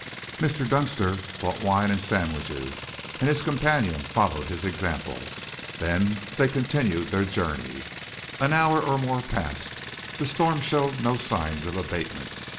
Mr. Dunster bought wine and sandwiches, and his companion followed his example. Then they continued their journey. An hour or more passed; the storm showed no signs of abatement.